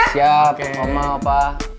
siap omah opa